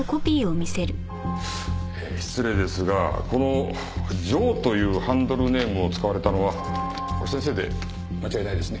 失礼ですがこのジョーというハンドルネームを使われたのは先生で間違いないですね？